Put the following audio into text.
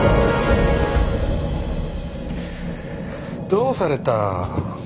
どうされた。